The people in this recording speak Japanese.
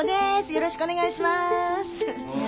よろしくお願いします。